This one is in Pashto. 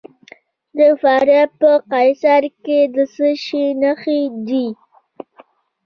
د فاریاب په قیصار کې د څه شي نښې دي؟